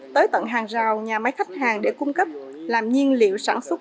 tới tận hàng rào nhà máy khách hàng để cung cấp làm nhiên liệu sản xuất